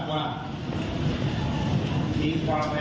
เพราะฉะนั้นผมอยากว่า